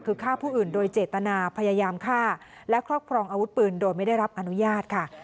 คือฆ่าผู้อื่นโดยเจตนาพยายามฆ่าและครอบครองอาวุธปืนโดยไม่ได้รับอนุญาตค่ะ